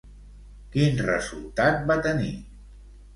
Quin resultat va tenir?